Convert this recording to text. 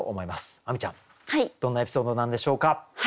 亜美ちゃんどんなエピソードなんでしょうか？